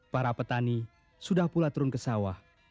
para petani sudah pula turun ke sawah